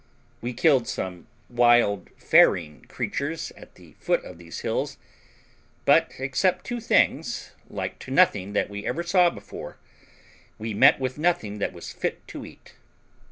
We killed some wild ferine creatures at the foot of these hills; but, except two things, like to nothing that we ever saw before, we met with nothing that was fit to eat.